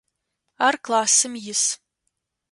Ар классым ис.